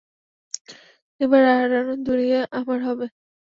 এবার হারানো দুনিয়া আমার হবে।